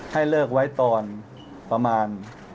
ให้เลิกไว้ตอนประมาณ